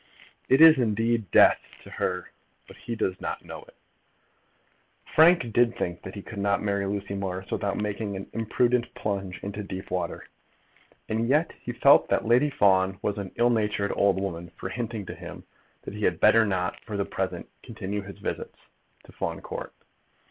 It is, indeed, death to her; but he does not know it. Frank Greystock did think that he could not marry Lucy Morris without making an imprudent plunge into deep water, and yet he felt that Lady Fawn was an ill natured old woman for hinting to him that he had better not, for the present, continue his visits to Fawn Court.